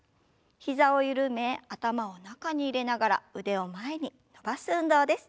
膝を緩め頭を中に入れながら腕を前に伸ばす運動です。